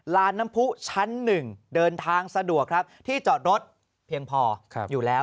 ลานน้ำผู้ชั้น๑เดินทางสะดวกครับที่จอดรถเพียงพออยู่แล้ว